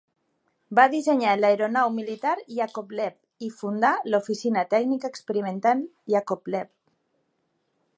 Va dissenyar l'aeronau militar Iàkovlev i fundar l'Oficina Tècnica Experimental Iàkovlev.